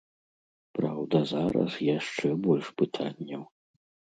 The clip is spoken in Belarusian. Праўда, зараз яшчэ больш пытанняў.